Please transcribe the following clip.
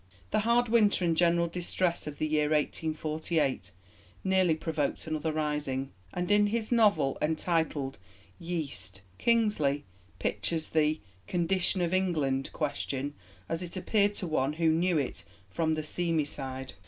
The hard winter and general distress of the year 1848 nearly provoked another rising, and in his novel entitled Yeast Kingsley pictures the 'condition of England' question as it appeared to one who knew it from the seamy side.